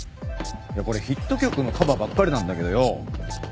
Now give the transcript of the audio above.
これヒット曲のカバーばっかりなんだけどよ